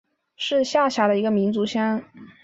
是下辖的一个民族乡。